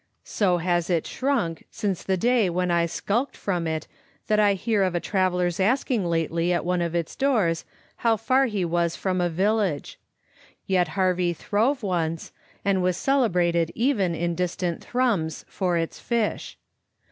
So has it shrunk since the day whffi'Q I skniisied from it that I hear of a trav eller's asking la*<:ely at one of its doors how far he was from a village ; yet Harvie throve once and was cele brated even in distant Thrums for its fish.